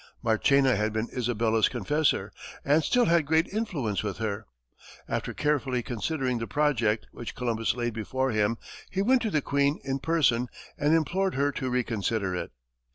Marchena had been Isabella's confessor, and still had great influence with her. After carefully considering the project which Columbus laid before him, he went to the queen in person and implored her to reconsider it.